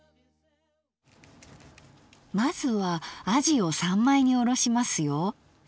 まずはあじを三枚におろしますよ！